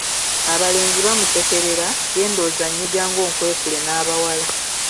Abalenzi bamusekerera, genda ozannye, jangu onkwekule n'abawala.